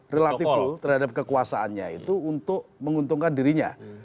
relatif full terhadap kekuasaannya itu untuk menguntungkan dirinya